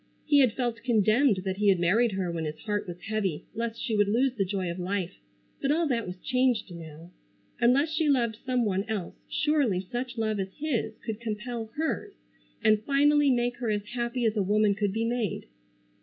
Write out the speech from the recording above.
He had felt condemned that he had married her when his heart was heavy lest she would lose the joy of life, but all that was changed now. Unless she loved some one else surely such love as his could compel hers and finally make her as happy as a woman could be made.